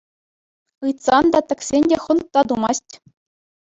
Ыйтсан та, тӗксен те хӑнк та тумасть.